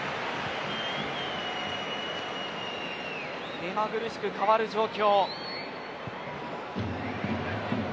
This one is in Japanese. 目まぐるしく変わる状況。